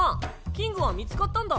キングは見つかったんだ。